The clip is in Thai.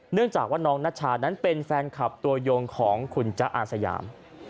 เนื่องจากว่าน้องนัชชานั้นเป็นแฟนคลับตัวยงของคุณจ๊ะอาสยาม